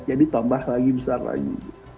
jadi tambah lagi besar lagi gitu